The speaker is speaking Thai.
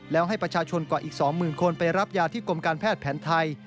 แล้วให้ประชาชนกว่าอีก๒๐๐๐คนไปรับยาที่กรมการแพทย์แผนไทย